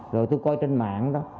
rồi tôi coi trên mạng đó